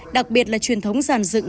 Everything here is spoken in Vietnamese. đặc biệt là truyền thống giàn dựng